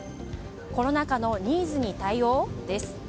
コロナ禍のニーズに対応？です。